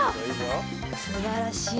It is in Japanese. すばらしい。